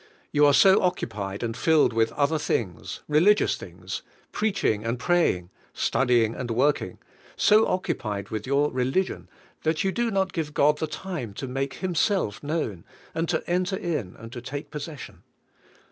You are so occupied and filled with other things, religious things, preaching and praying, studying and work ing, so occupied with your religion, that you do not give God the time to make Himself known, and to enter in and to take possession.